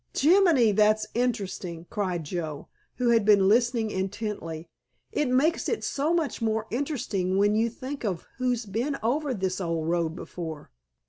"Jiminy, that's interesting," cried Joe, who had been listening intently; "it makes it so much more interesting when you think of who's been over this old road before.